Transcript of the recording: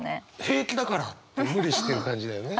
平気だからって無理してる感じだよね。